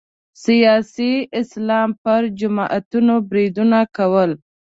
سیاسي اسلام پر جماعتونو بریدونه کول